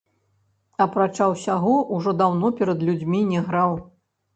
Апрача ўсяго, ужо даўно перад людзьмі не граў.